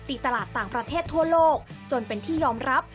ตลาดต่างประเทศทั่วโลกจนเป็นที่ยอมรับ